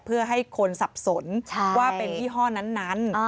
เพื่อให้คนสับสนว่าเป็นยี่ห้อนั้น